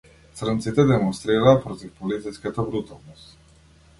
Црнците демонстрираа против полициската бруталност.